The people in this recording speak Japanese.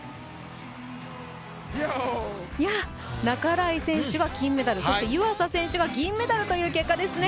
半井選手が金メダル、湯浅選手が銀メダルという結果ですね。